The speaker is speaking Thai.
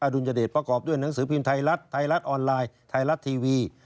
ดุลยเดชประกอบด้วยหนังสือพิมพ์ไทยรัฐไทยรัฐออนไลน์ไทยรัฐทีวี